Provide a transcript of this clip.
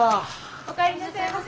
お帰りなさいませ。